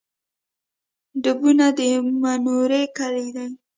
ډبونه د منورې کلی دی